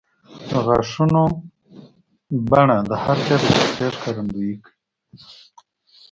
د غاښونو بڼه د هر چا د شخصیت ښکارندویي کوي.